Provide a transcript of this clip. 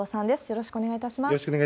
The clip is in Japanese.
よろしくお願いします。